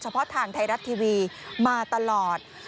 เพราะทางไทยรัฐทีวีมาตลอด